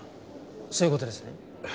そういう事ですね？